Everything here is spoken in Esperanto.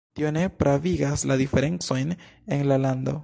Tio ne pravigas la diferencojn en la lando.